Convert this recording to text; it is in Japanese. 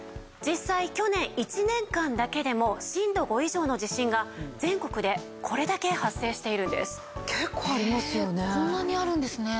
実際去年１年間だけでも震度５以上の地震が全国でこれだけ発生しているんです。